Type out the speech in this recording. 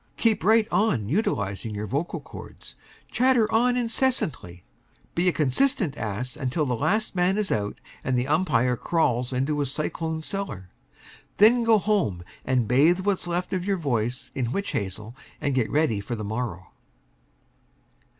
Keep right on utilizing your vocal chords. Chatter on incessantly. Be a consistent ass until the last man is out and the umpire crawls into his cyclone cellar. Then go home and bathe what's left of your voice in witch hazel, and get ready for the morrow.